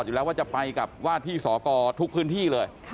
อยู่แล้วว่าจะไปกับว่าที่สกทุกพื้นที่เลย